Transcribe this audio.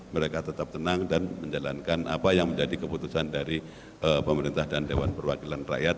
mereka tetap tenang dan menjalankan apa yang menjadi keputusan dari pemerintah dan dewan perwakilan rakyat